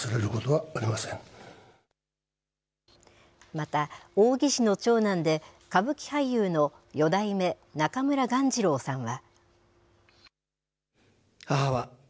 また、扇氏の長男で歌舞伎俳優の四代目中村鴈治郎さんは。